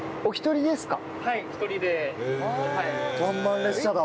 ワンマン列車だ。